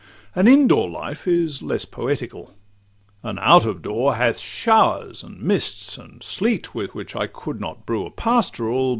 An in door life is less poetical; And out of door hath showers, and mists, and sleet, With which I could not brew a pastoral.